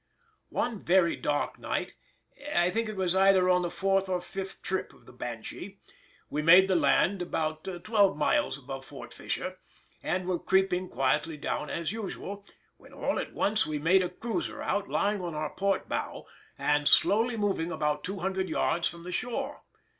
One very dark night (I think it was either on the fourth or fifth trip of the Banshee) we made the land about twelve miles above Fort Fisher, and were creeping quietly down as usual, when all at once we made a cruiser out, lying on our port bow, and slowly moving about two hundred yards from the shore.